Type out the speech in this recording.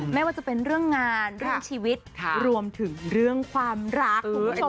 ไม่ว่าจะเป็นเรื่องงานเรื่องชีวิตรวมถึงเรื่องความรักคุณผู้ชม